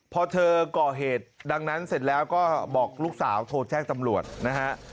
พอเธอก่อเหตุดังนั้นเสร็จแล้วก็บอกลูกสาวโทรแจ้งตำรวจนะฮะ